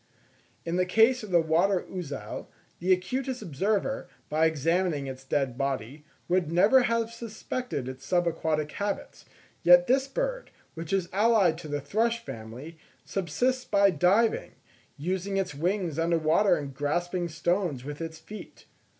In the case of the water ouzel, the acutest observer, by examining its dead body, would never have suspected its sub aquatic habits; yet this bird, which is allied to the thrush family, subsists by diving,—using its wings under water and grasping stones with its feet.